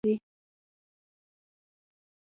الوتکه له کور نه بهر نړۍ ته درته لاره خلاصوي.